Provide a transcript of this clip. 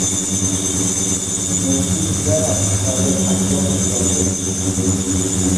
মুক্তিযোদ্ধারা তাদের আক্রমণ করলেন।